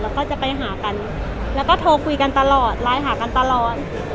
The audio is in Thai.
แล้วก็จะไปหากันแล้วก็โทรคุยกันตลอดไลน์หากันตลอด